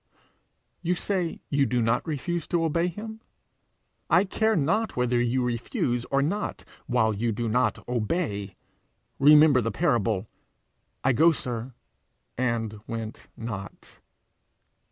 You say you do not refuse to obey him? I care not whether you refuse or not, while you do not obey. Remember the parable: 'I go, sir, and went not.'